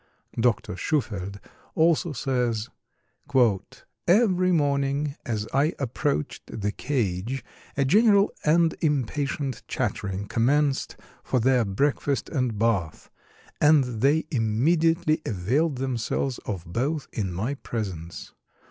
Dr. Shufeldt also says: "Every morning, as I approached the cage, a general and impatient chattering commenced for their breakfast and bath, and they immediately availed themselves of both in my presence.